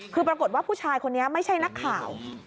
คือปรากฏว่าผู้ชายคนนี้ไม่ใช่นักข่าว